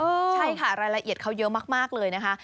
ใช่ค่ะรายละเอียดเขาเยอะมากเลยนะคะ